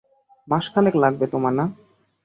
মাসখানেক লাগেব তোমার, না?